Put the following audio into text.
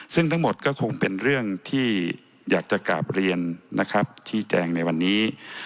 ซึ่งทั้งหมดก็คงเป็นเรื่องที่อยากจะกราบเรียนนะครับชี้แจงในวันนี้